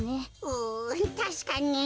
うたしかに。